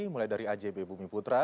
mulai dari ajb bumi putra